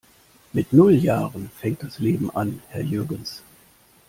Mit null Jahren fängt das Leben an, Herr Jürgens!